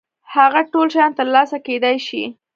هغه ټول شيان تر لاسه کېدای شي.